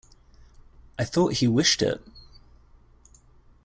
I thought he wished it.